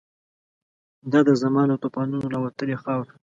دا د زمان له توپانونو راوتلې خاوره